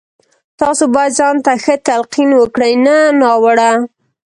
تاسې بايد ځان ته ښه تلقين وکړئ نه ناوړه.